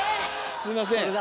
すいません！